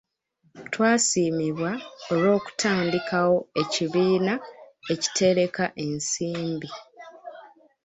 Twasiimibwa olw'okutandikawo ekibiina ekitereka ensimbi.